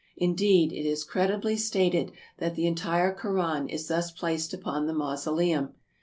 Indeed, it is credibly stated that the entire Koran is thus placed upon the mausoleum.